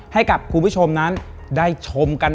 ให้กับคุณผู้ชมนั้นได้ชมกัน